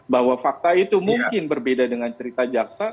bahwa fakta itu mungkin berbeda dengan cerita jaksa